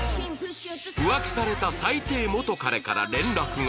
浮気された最低元カレから連絡が